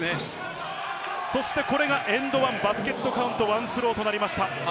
そしてこれがエンド１、バスケットボールカウントワンスローとなりました。